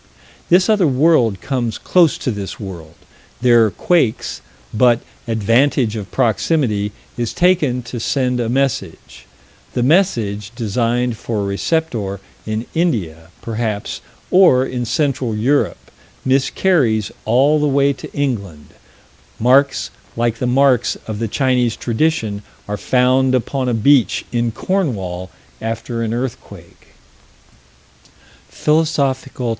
This other world comes close to this world there are quakes but advantage of proximity is taken to send a message the message, designed for a receptor in India, perhaps, or in Central Europe, miscarries all the way to England marks like the marks of the Chinese tradition are found upon a beach, in Cornwall, after an earthquake _Phil.